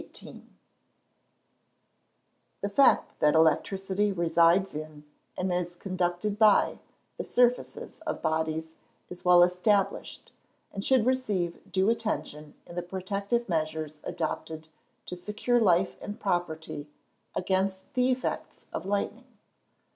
] The fact that electricity resides in, and is conducted by, the surfaces of bodies, is well established, and should receive due attention in the protective measures adopted to secure life and property against the effects of lightning.